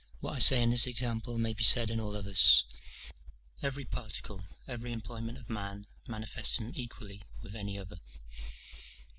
What I say in this example may be said in all others. Every particle, every employment of man manifests him equally with any other.